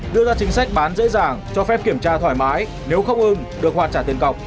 đưa ra chính sách bán dễ dàng cho phép kiểm tra thoải mái nếu không ưng được hoàn trả tiền cọc